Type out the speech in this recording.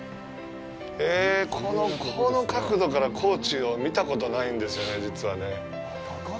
ええ、この角度から高知を見たことがないんですね、実はね。